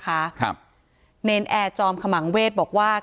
การแก้เคล็ดบางอย่างแค่นั้นเอง